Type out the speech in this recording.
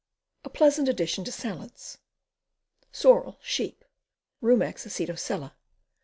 A pleasant addition to salads. Sorrel, Sheep. Rumex Acetosella.